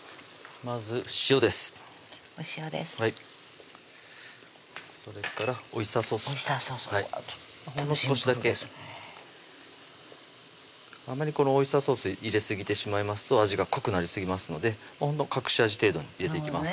まず塩ですお塩ですそれからオイスターソースオイスターソースほんの少しだけあまりこのオイスターソース入れすぎてしまいますと味が濃くなりすぎますので隠し味程度に入れていきます